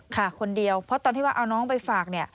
ค่ะคนเดียวเพราะตอนที่ว่าเอาน้องไปฝากเนี่ย